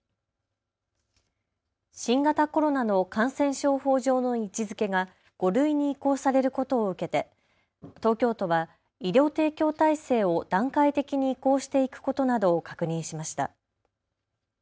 新型コロナの感染症法上の位置づけが５類に移行されることを受けて東京都は医療提供体制を段階的に移行していくことなどを確認しました。